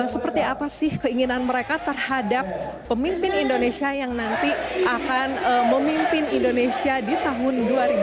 seperti apa sih keinginan mereka terhadap pemimpin indonesia yang nanti akan memimpin indonesia di tahun dua ribu dua puluh